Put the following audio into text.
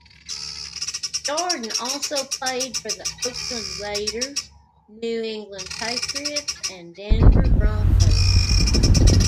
Jordan also played for the Oakland Raiders, New England Patriots and Denver Broncos.